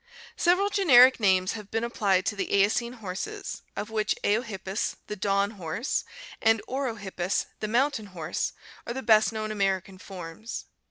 — Several generic names have been applied to the Eocene horses of which Eohippus, the dawn horse, and Orohippus, the mountain horse, are the best known American forms.